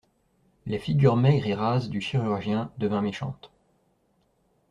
La figure maigre et rase du chirurgien devint méchante.